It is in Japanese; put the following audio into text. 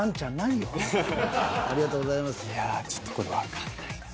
いやちょっとこれわかんないな。